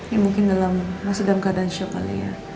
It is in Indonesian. ya mungkin dalam sedang keadaan shock kali ya